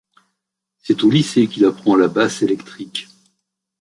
C'est au lycée qu'il apprend la basse électrique.